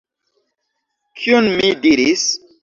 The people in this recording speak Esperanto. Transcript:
Kion mi diris?